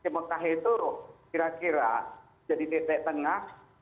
mekah itu kira kira jadi titik tengah